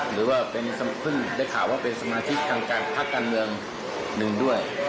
หรือว่าเพิ่งได้ข่าวว่าเป็นสมาชิกทางการพักการเมืองหนึ่งด้วย